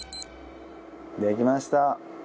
できました！